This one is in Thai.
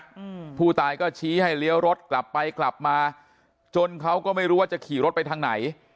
อืมผู้ตายก็ชี้ให้เลี้ยวรถกลับไปกลับมาจนเขาก็ไม่รู้ว่าจะขี่รถไปทางไหน